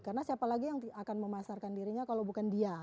karena siapa lagi yang akan memasarkan dirinya kalau bukan dia